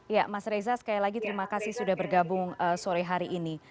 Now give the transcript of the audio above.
ya mas reza sekali lagi terima kasih sudah bergabung sore hari ini